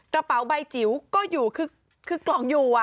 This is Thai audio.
กระเป๋าใบจิ๋วก็อยู่คือกล่องอยู่